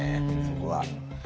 そこは。